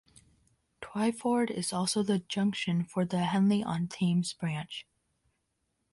Twyford is also the junction for the Henley-on-Thames branch.